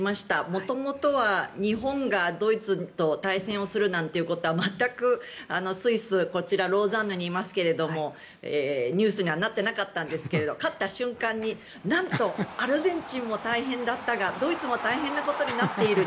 元々は日本がドイツと対戦をするなんてことは全くスイスこちらローザンヌにいますけどニュースにはなっていなかったんですけど勝った瞬間に、なんとアルゼンチンも大変だったがドイツも大変なことになっている。